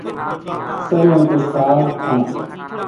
سَرِیاں کو ساگ کھاں